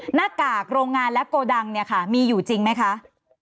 หน้ากากโรงงานและโกดังเนี่ยค่ะมีอยู่จริงไหมคะ